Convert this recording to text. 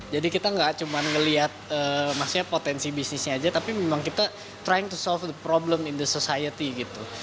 jadi kita gak cuma ngeliat potensi bisnisnya aja tapi memang kita trying to solve the problem in the society gitu